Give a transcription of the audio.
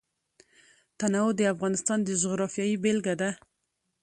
تنوع د افغانستان د جغرافیې بېلګه ده.